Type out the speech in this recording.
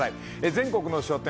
全国の書店